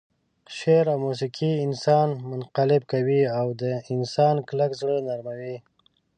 شعر او موسيقي انسان منقلب کوي او د انسان کلک زړه نرموي.